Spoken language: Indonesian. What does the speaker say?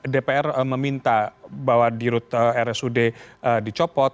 dpr meminta bahwa dirut rsud dicopot